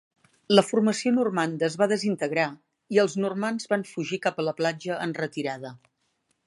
La formació normanda es va desintegrar i els normands van fugir cap a la platja en retirada.